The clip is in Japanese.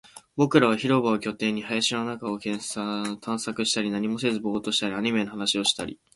僕らは広場を拠点に、林の中を探索したり、何もせずボーっとしたり、アニメの話をしたり